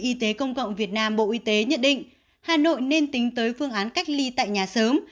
y tế công cộng việt nam bộ y tế nhận định hà nội nên tính tới phương án cách ly tại nhà sớm